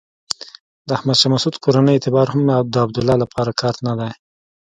د احمد شاه مسعود کورنۍ اعتبار هم د عبدالله لپاره کارت نه دی.